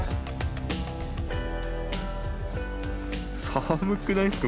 ・寒くないっすか？